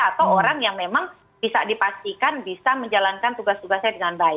atau orang yang memang bisa dipastikan bisa menjalankan tugas tugasnya dengan baik